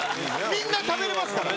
みんな食べれますから。